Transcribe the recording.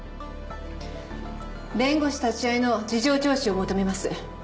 弁護士立ち会いの事情聴取を求めます。